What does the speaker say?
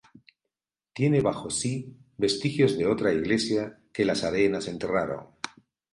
Tiene bajo sí vestigios de otra iglesia que las arenas enterraron.